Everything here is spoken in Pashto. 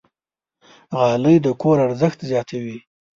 غالۍ د کور ارزښت زیاتوي.